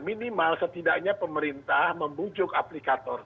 minimal setidaknya pemerintah membujuk aplikator